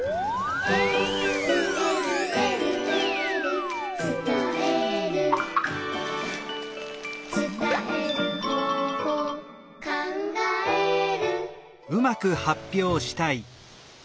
「えるえるえるえる」「つたえる」「つたえる方法」「かんがえる」